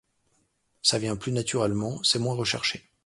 Ça vient plus naturellement, c’est moins recherché.